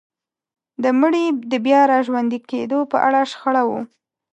د مړي د بيا راژوندي کيدو په اړه شخړه وه.